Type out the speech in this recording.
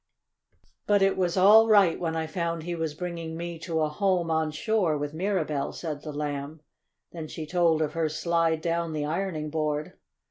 "But it was all right when I found he was bringing me to a home on shore with Mirabell," said the Lamb. Then she told of her slide down the ironing board.